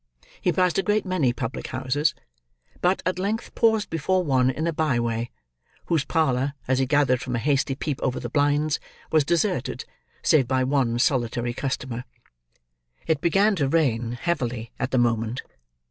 He passed a great many public houses; but, at length paused before one in a by way, whose parlour, as he gathered from a hasty peep over the blinds, was deserted, save by one solitary customer. It began to rain, heavily, at the moment.